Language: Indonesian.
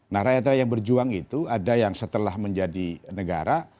nah rakyat rakyat yang berjuang itu ada yang setelah menjadi negara